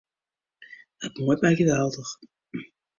It muoit my geweldich.